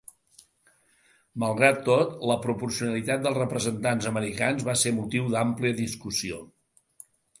Malgrat tot, la proporcionalitat dels representats americans va ser motiu d'àmplia discussió.